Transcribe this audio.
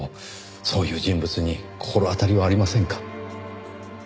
そういう人物に心当たりはありませんか？